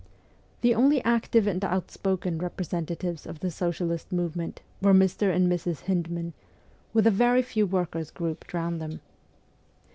The only active and outspoken representatives of the socialist movement were Mr. and Mrs. Hyndman, with a very few workers grouped round them.